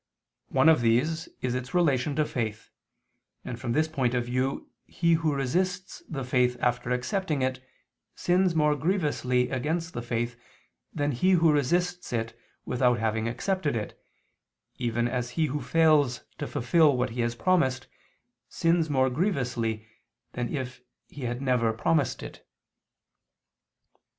One of these is its relation to faith: and from this point of view, he who resists the faith after accepting it, sins more grievously against faith, than he who resists it without having accepted it, even as he who fails to fulfil what he has promised, sins more grievously than if he had never promised it.